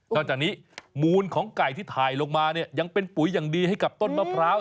จากนี้มูลของไก่ที่ถ่ายลงมาเนี่ยยังเป็นปุ๋ยอย่างดีให้กับต้นมะพร้าว